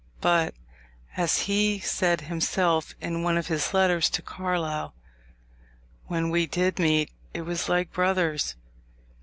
But (as he said himself in one of his letters to Carlyle) when we did meet it was like brothers.